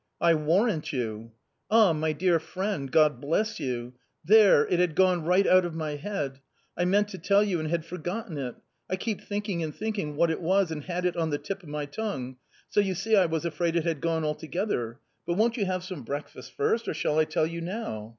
" I warrant you !"" Ah ! my dear friend, God bless you ! There ! it had gone right out of my head ; I meant to tell you and had forgotten it ; I keep thinking and thinking what it was and had it on the tip of my tongue ; so you see I was afraid it had gone altogether. But won't you have some breakfast first, or shall I tell you now